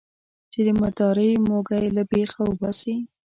چې د مردارۍ موږی له بېخه وباسي.